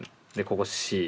ここ「Ｃ」